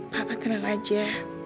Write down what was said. papa kenal aja